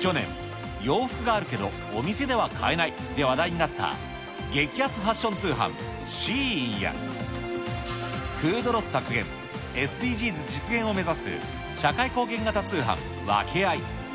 去年、洋服があるけど、お店では買えないで話題になった激安ファッション通販、シーインや、フードロス削減、ＳＤＧｓ実現を目指す社会貢献型通販、ワケアイ。